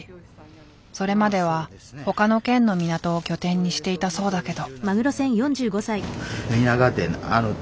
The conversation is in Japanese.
それまでは他の県の港を拠点にしていたそうだけど。